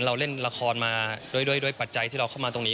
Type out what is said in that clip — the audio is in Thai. เราเล่นละครมาด้วยปัจจัยที่เราเข้ามาตรงนี้